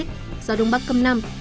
gió đông bắc cấp năm